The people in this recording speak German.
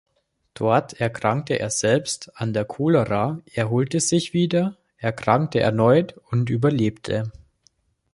Dort erkrankte er selbst an der Cholera, erholte sich wieder, erkrankte erneut und überlebte.